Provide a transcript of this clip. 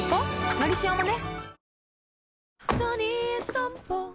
「のりしお」もね